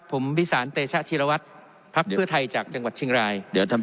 ผมพิสานเตชะชีระวัฒณ์ภับเมือไทยจากจังหวัดชิงราย